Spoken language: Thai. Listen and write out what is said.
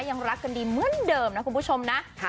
ยังรักกันดีเหมือนเดิมนะคุณผู้ชมนะ